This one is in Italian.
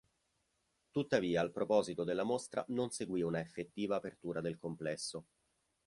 Tuttavia al proposito della mostra non seguì una effettiva apertura del complesso.